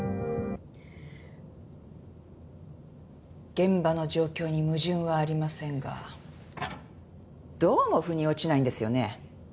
現場の状況に矛盾はありませんがどうも腑に落ちないんですよね。